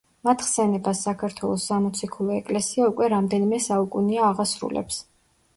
მათ ხსენებას საქართველოს სამოციქულო ეკლესია უკვე რამდენიმე საუკუნეა აღასრულებს.